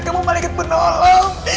kamu malaikat penolong